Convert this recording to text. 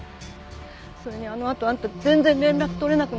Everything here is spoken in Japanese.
それにあのあとあんた全然連絡取れなくなっちゃって。